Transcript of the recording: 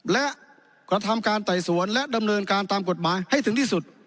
และกระทำการไต่สวนและดำเนินการตามกฎหมายให้ถึงที่สุด